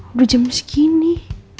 udah jam segini